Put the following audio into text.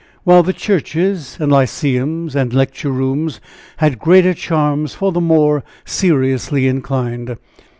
While the churches, and lyceums, and lecture rooms had greater charms for the more seriously inclined.